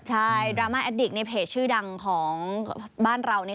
ใช่ดราม่าแอดดิกในเพจชื่อดังของบ้านเรานี่